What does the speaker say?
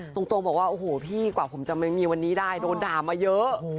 ตรงบอกว่าโอ้โหพี่กว่าผมจะไม่มีวันนี้ได้โดนด่ามาเยอะ